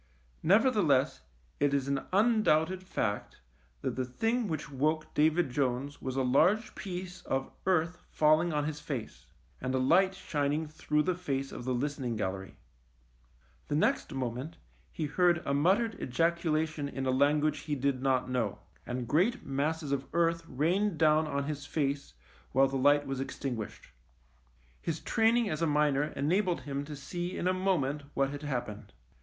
Nevertheless it is an undoubted fact that the thing which woke David Jones was a large piece of earth fall ing on his face, and a light shining through the face of the listening gallery. The next moment he heard a muttered ejaculation in a language he did not know, and great masses of earth rained down on his face while the light was extinguished. His training as a miner enabled him to see in a moment what had happened.